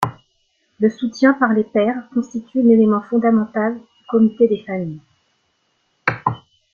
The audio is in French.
Le soutien par les pairs constitue l'élément fondamental du Comité des Familles.